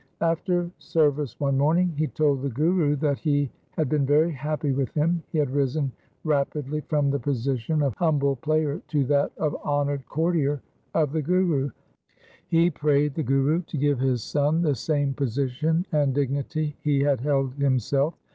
After service one morning he told the Guru that he had been very happy with him. He had risen rapidly from the position of humble player to that of honoured courtier of the Guru. He prayed the THE SIKH RELIGION Guru to give his son the same position and dignity he had held himself.